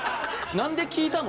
なんで聞いたの？